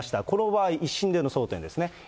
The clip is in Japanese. この場合、１審での争点ですね。